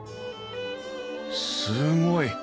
すごい！